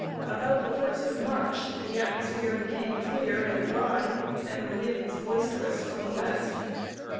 About the first of March, the atmosphere became clear and dry, and the winds boisterous from the West.